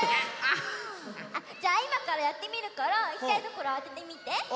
じゃあいまからやってみるからいきたいところあててみて。